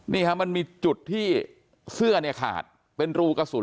นี่ฮะมันมีจุดที่เสื้อเนี่ยขาดเป็นรูกระสุน